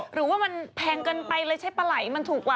หรือว่ามันแพงเกินไปเลยใช้ปลาไหล่มันถูกกว่า